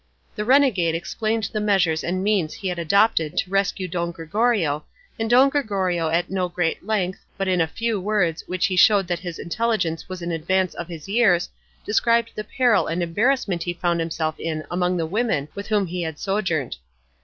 The renegade explained the measures and means he had adopted to rescue Don Gregorio, and Don Gregorio at no great length, but in a few words, in which he showed that his intelligence was in advance of his years, described the peril and embarrassment he found himself in among the women with whom he had sojourned.